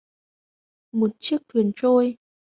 Một chiếc thyền trôi